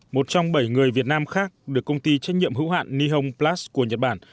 một trong bảy người việt nam khác được công ty trách nhiệm hữu hạn nihon plus của nhật bản